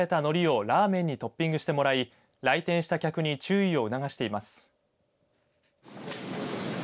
などと書かれたのりをラーメンにトッピングしてもらい来店した客に注意を促しています。